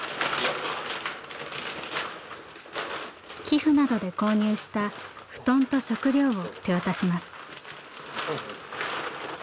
寄付などで購入した布団と食料を手渡します。